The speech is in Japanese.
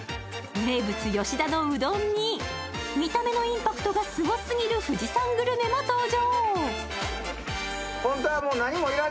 名物・吉田のうどんに見た目のインパクトがすごすぎる富士山グルメも登場。